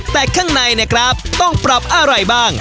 แต่ข้างในเนี่ยครับต้องปรับอะไรบ้าง